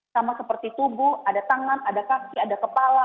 sama seperti tubuh ada tangan ada kaki ada kepala